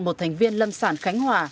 một thành viên lâm sản khánh hòa